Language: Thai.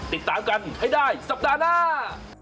ติดตามกันให้ได้สัปดาห์หน้า